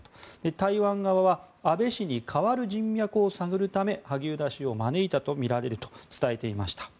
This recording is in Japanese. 台湾側は安倍氏に代わる人脈を探るため萩生田氏を招いたとみられると伝えていました。